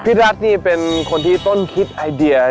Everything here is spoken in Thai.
พี่รัฐนี่เป็นคนที่ต้นคิดไอเดีย